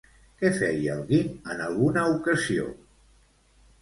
Què feia el Guim en alguna ocasió?